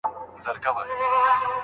آیا تور چای تر شین چای تریخ دی؟